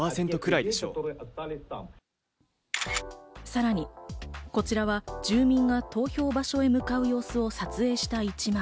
さらに、こちらは住民が投票場所へ向かう様子を撮影した１枚。